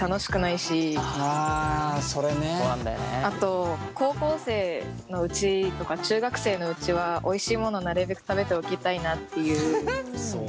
あと高校生のうちとか中学生のうちはおいしいものをなるべく食べておきたいなっていう。